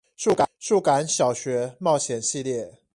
數感小學冒險系列